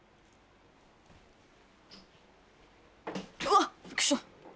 うわ！びっくりした。